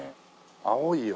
青いよ